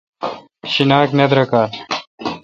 شیناک نہ درکالہ